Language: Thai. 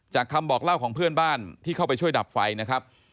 คำบอกเล่าของเพื่อนบ้านที่เข้าไปช่วยดับไฟนะครับ